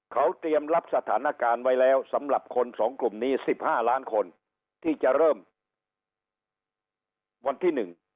เขาเตรียมรับสถานการณ์ไว้แล้วสำหรับคนสองกลุ่มนี้๑๕ล้านคนที่จะเริ่มวันที่๑